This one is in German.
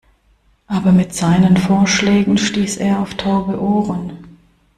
Aber mit seinen Vorschlägen stieß er auf taube Ohren.